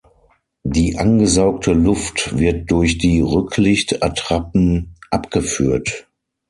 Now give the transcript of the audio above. Die angesaugte Luft wird durch die Rücklicht-Attrappen abgeführt.